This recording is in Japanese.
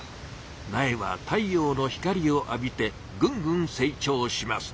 苗は太陽の光を浴びてぐんぐん成長します。